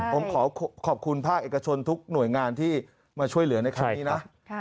ผมขอขอบคุณภาคเอกชนทุกหน่วยงานที่มาช่วยเหลือในครั้งนี้นะ